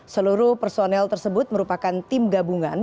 seluruh personel tersebut merupakan tim gabungan